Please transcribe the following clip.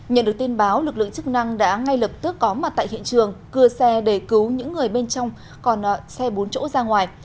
nhận được tin báo lực lượng chức năng đã ngay lập tức có mặt tại hiện trường cưa xe để cứu những người bên trong còn xe bốn chỗ ra ngoài